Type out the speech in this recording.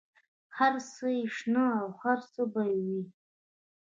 هر څه یې شته او هر څه به وي.